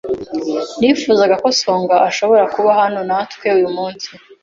Nifuzaga ko Songa ashobora kuba hano natwe uyu munsi.